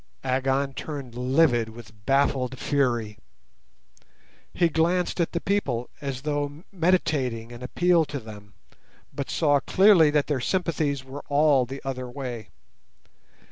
Agon turned livid with baffled fury. He glanced at the people as though meditating an appeal to them, but saw clearly that their sympathies were all the other way.